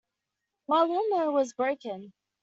My lawn-mower is broken.